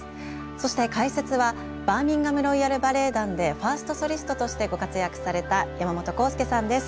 そして解説はバーミンガム・ロイヤル・バレエ団でファーストソリストとしてご活躍された山本康介さんです。